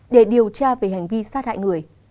để điều tra về hành vi sát hại người